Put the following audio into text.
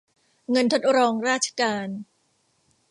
เงินทดรองราชการ